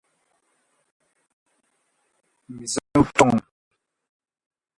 Irregular troops commanded by Melendre joined the resistance against the invasion.